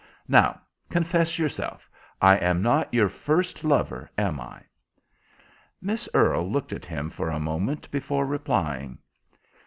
Now, confess yourself, I am not your first lover, am I?" Miss Earle looked at him for a moment before replying.